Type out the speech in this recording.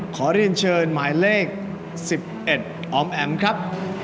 ขอเรียนเชิญหมายเลข๑๑ออมแอ๋มครับ